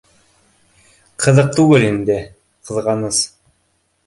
Ҡыҙыҡ түгел инде, ҡыҙғаныс